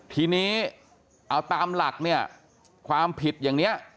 ทีนี้เอาตามหลักเนี่ยความผิดอย่างนี้